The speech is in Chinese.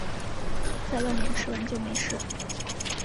在外面吃完就没事